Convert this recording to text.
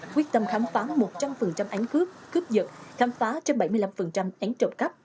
quyết tâm khám phá một trăm linh ánh cướp cướp dật khám phá trên bảy mươi năm ánh trộm cắp